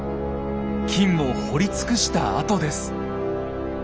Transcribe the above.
金を掘り尽くした跡です。